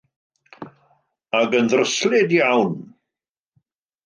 Ac yn ddryslyd iawn.